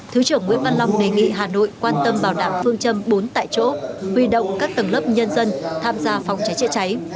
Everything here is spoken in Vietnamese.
thứ trưởng nguyễn văn long đề nghị hà nội quan tâm bảo đảm phương châm bốn tại chỗ huy động các tầng lớp nhân dân tham gia phòng cháy chữa cháy